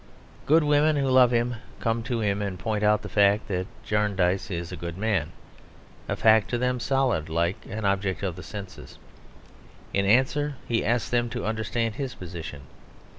Good women who love him come to him, and point out the fact that Jarndyce is a good man, a fact to them solid like an object of the senses. In answer he asks them to understand his position.